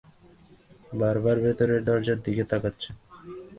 বারবার ভেতরের দরজার দরজার দিকে তাকাচ্ছেন!